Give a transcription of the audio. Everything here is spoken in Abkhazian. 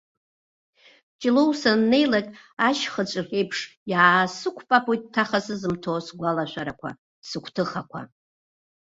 Ҷлоу саннеилак, ашьхыҵә реиԥш иаасықәпапоит ҭаха сызымҭо сгәалашәарақәа, сыгәҭыхақәа!